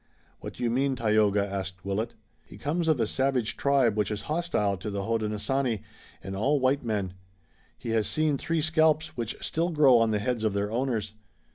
"What do you mean, Tayoga?" asked Willet. "He comes of a savage tribe, which is hostile to the Hodenosaunee and all white men. He has seen three scalps which still grow on the heads of their owners."